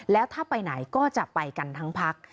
แล้วถ้าไปไหนก็จะไปกันทั้งพัก